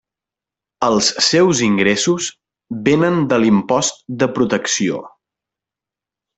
Els seus ingressos vénen de l'impost de protecció.